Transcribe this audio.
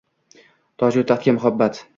Toju taxtga muhabbat.